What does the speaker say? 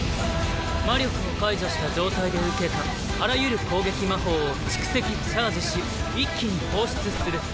魔力を解除した状態で受けたあらゆる攻撃魔法を蓄積チャージし一気に放出する。